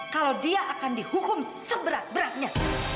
kalau dia akan dihukum seberat beratnya